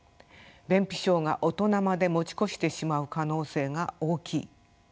便秘症が大人まで持ち越してしまう可能性が大きい。